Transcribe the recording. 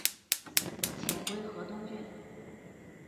遣归河东郡。